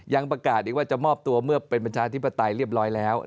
ยังประกาศอีกว่าจะมอบตัวเมื่อเป็นประชาธิปไตยเรียบร้อยแล้ว